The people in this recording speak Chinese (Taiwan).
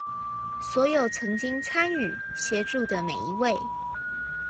所有曾經參與、協助的每一位